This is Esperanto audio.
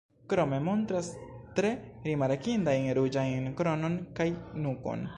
Krome montras tre rimarkindajn ruĝajn kronon kaj nukon.